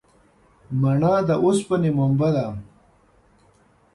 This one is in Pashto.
مڼه د اوسپنې منبع ده.